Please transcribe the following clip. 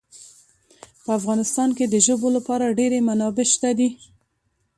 په افغانستان کې د ژبو لپاره ډېرې منابع شته دي.